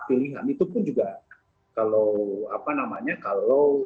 pilihan itu pun juga kalau apa namanya kalau